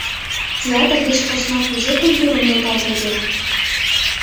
Театр деч посна кузе культурым нӧлтал колтет?